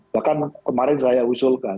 bahkan kemarin saya usulkan